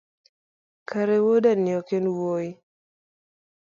kare wuodani ok enwuoyi?